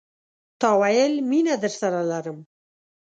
تا ویل، میینه درسره لرم